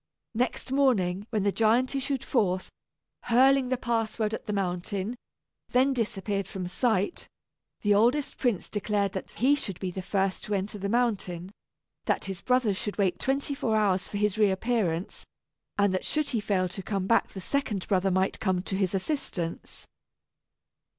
Next morning when the giant issued forth, hurling the password at the mountain, then disappeared from sight, the oldest prince declared that he should be the first to enter the mountain, that his brothers should wait twenty four hours for his reappearance, and that should he fail to come back the second brother might come to his assistance.